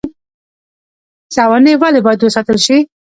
سوانح ولې باید وساتل شي؟